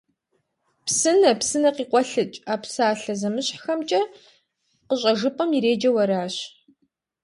Псынэ, псынэ къикъуэлъыкӀ - а псалъэ зэмыщхьхэмкӀэ къыщӀэжыпӀэм иреджэу аращ.